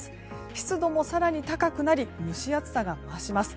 湿度も更に高くなり蒸し暑さが増します。